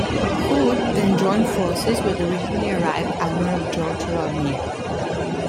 Hood then joined forces with the recently arrived Admiral George Rodney.